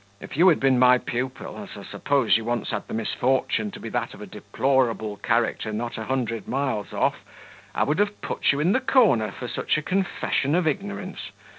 "If you had been my pupil, as I suppose you once had the misfortune to be that of a deplorable character not a hundred miles off, I would have put you in the corner for such a confession of ignorance.